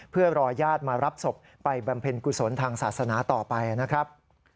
เพื่อรอญาติมารับศพไปบำเพ็ญกุศลทางศาสนาต่อไปนะครับ